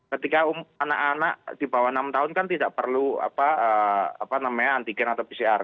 ketika anak anak di bawah enam tahun kan tidak perlu antigen atau pcr